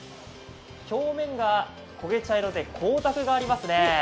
表面が焦げ茶色で光沢がありますね。